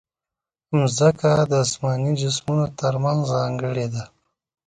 مځکه د اسماني جسمونو ترمنځ ځانګړې ده.